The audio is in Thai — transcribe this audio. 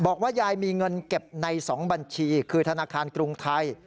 ยายมีเงินเก็บใน๒บัญชีคือธนาคารกรุงไทย